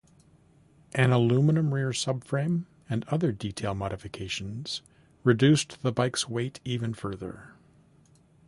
An aluminum rear subframe and other detail modifications reduced the bike's weight even further.